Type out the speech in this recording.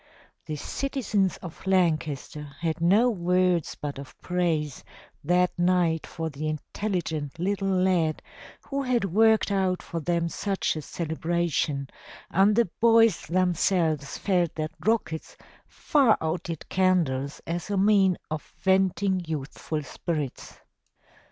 The citizens of Lancaster had no words but of praise that night for the intelligent little lad who had worked out for them such a celebration and the boys themselves felt that rockets far outdid candles as a means of venting youthful spirits.